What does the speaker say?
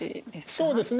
そうですね